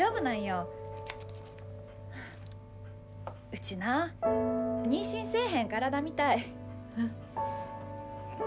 うちな妊娠せえへん体みたい。え。